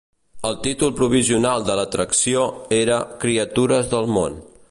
El títol provisional de l'atracció era "Criatures del món".